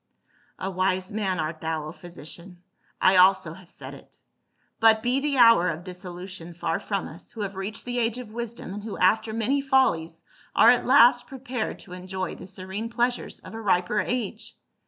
"A wise man, art thou, O physician, I also have said it. But be the hour of dissolution far from us, who have reached the age of wisdom, and who after many follies are at last prepared to enjoy the serene pleasures of a riper age.